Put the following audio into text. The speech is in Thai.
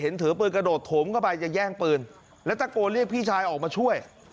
ถือปืนกระโดดถมเข้าไปจะแย่งปืนและตะโกนเรียกพี่ชายออกมาช่วย